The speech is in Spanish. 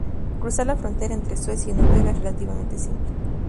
Cruzar la frontera entre Suecia y Noruega es relativamente simple.